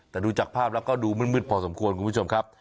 แต่ดูจากภาพแล้วก็ดูมืดพอสมควรคุณผู้ชมครับ